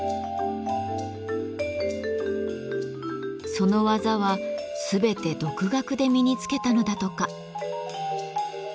その技は全て独学で身につけたのだとか。